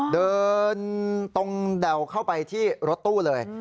เดินตรงแด่วเข้าไปที่รถตู้เลย